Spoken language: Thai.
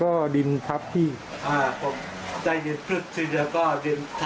ก็วิ่งไปหาจอบก็ขดดิน